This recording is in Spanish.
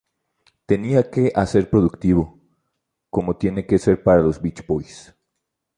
Tenía que a ser productivo, como tiene que ser para los Beach Boys".